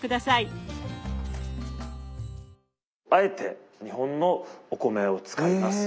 あえて日本のお米を使います。